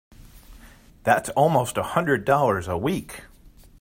That's almost a hundred dollars a week!